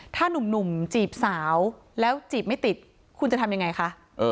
ถ้านุ่มจีบสาวแล้วจีบไม่ติดคุณจะทำยังไงคะ